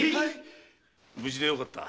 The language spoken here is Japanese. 無事でよかった。